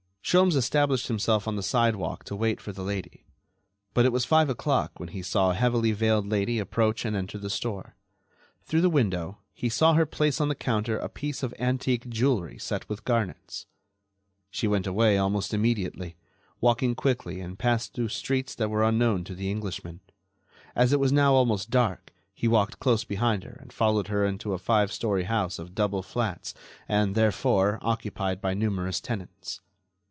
Sholmes established himself on the sidewalk to wait for the lady, but it was five o'clock when he saw a heavily veiled lady approach and enter the store. Through the window he saw her place on the counter a piece of antique jewelry set with garnets. She went away almost immediately, walking quickly and passed through streets that were unknown to the Englishman. As it was now almost dark, he walked close behind her and followed her into a five story house of double flats and, therefore, occupied by numerous tenants.